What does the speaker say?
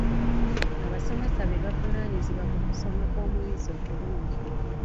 Abasomesa be bavunaanyizibwa ku kusoma kw'omuyizi okulungi.